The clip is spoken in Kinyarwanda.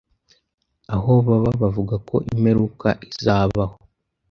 aho baba bavuga ko imperuka izabaho